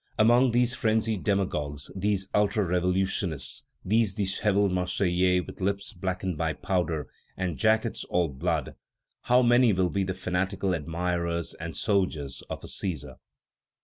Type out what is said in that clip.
Among these frenzied demagogues, these ultra revolutionists, these dishevelled Marseillais with lips blackened by powder, and jackets all blood, how many will be the fanatical admirers and soldiers of a Cæsar!